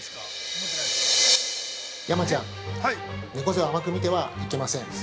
◆山ちゃん、猫背を甘く見てはいけません。